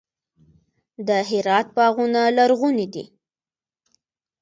د هرات باغونه لرغوني دي.